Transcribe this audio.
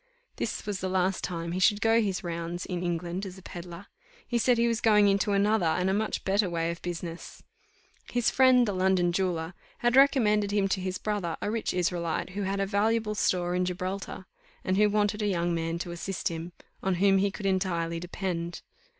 This was the last time he should go his rounds in England as a pedlar; he said he was going into another and a much better way of business. His friend, the London jeweller, had recommended him to his brother, a rich Israelite, who had a valuable store in Gibraltar, and who wanted a young man to assist him, on whom he could entirely depend.